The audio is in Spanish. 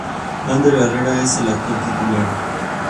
Ander Herrera es el actual titular.